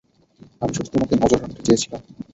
আমি শুধু তোমাকে নজরে রাখতে চেয়েছিলাম।